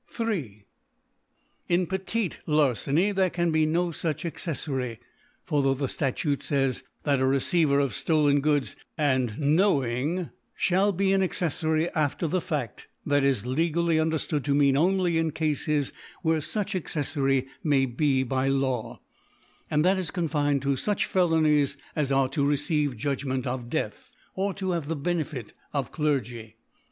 3. In Petit Larceny there can be noiuch Acceflary ^.: for tho' the Statute fays, that a Receiver of Aden Goods, knowing, (^c^ ihaU be an Acceflary after the Faft, that ]s» kgaily underftood to mean only in Cafes where fuch Acceflary nuy i)ebyLaw \ and that is conBned to fuch Febnies as are to receive Judgnoent of Ekath, or to have the Benefit of Clergy.